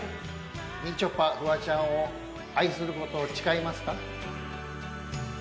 みちょぱフワちゃんを愛することを誓いますか？